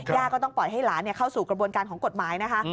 ก็ต้องปล่อยให้หลานเข้าสู่กระบวนการของกฎหมายนะคะ